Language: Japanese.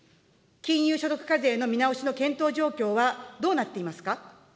金融所得課税の見直しの検討状況はどうなっていますか。